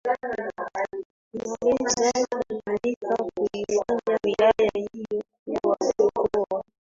inaweza kutumika kuifanya wilaya hiyo kuwa Mkoa